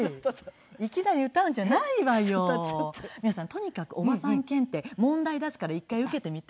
とにかくおばさん検定問題出すから一回受けてみて。